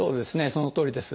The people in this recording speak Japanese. そのとおりです。